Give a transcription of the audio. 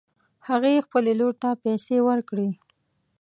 هغې خپلې لور ته پیسې ورکړې